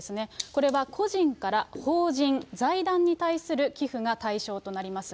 これは個人から法人、財団に対する寄付が対象となります。